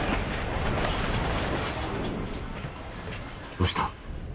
どうした？